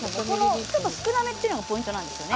ちょっと少なめというのがポイントですね。